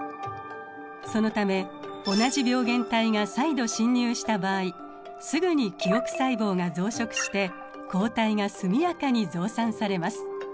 そのため同じ病原体が再度侵入した場合すぐに記憶細胞が増殖して抗体が速やかに増産されます。